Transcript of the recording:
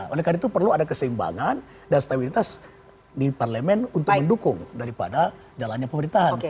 oleh karena itu perlu ada keseimbangan dan stabilitas di parlemen untuk mendukung daripada jalannya pemerintahan